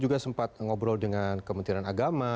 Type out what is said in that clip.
juga sempat ngobrol dengan kementerian agama